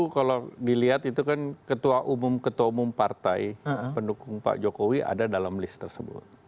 kalau dilihat itu kan ketua umum ketua umum partai pendukung pak jokowi ada dalam list tersebut